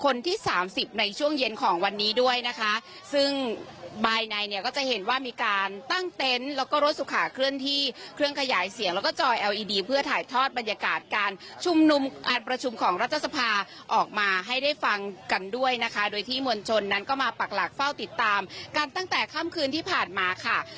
คนที่สามสิบในช่วงเย็นของวันนี้ด้วยนะคะซึ่งภายในเนี่ยก็จะเห็นว่ามีการตั้งเต็นต์แล้วก็รถสุขาเคลื่อนที่เครื่องขยายเสียงแล้วก็จอยเอลอีดีเพื่อถ่ายทอดบรรยากาศการชุมนุมการประชุมของรัฐสภาออกมาให้ได้ฟังกันด้วยนะคะโดยที่มวลชนนั้นก็มาปักหลักเฝ้าติดตามกันตั้งแต่ค่ำคืนที่ผ่านมาค่ะ